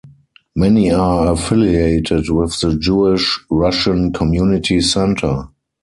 Many are affiliated with the Jewish Russian Community Centre.